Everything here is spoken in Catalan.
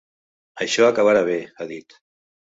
Això acabarà bé, ha dit.